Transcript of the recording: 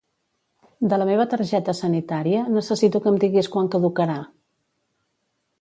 De la meva targeta sanitària, necessito que em diguis quan caducarà.